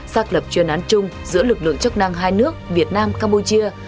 xác lập chuyên án chung giữa lực lượng chức năng hai nước việt nam campuchia